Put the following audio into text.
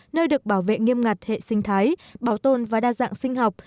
nơi được bảo vệ nghiêm ngặt hệ sinh thái bảo tồn và đa dạng sinh học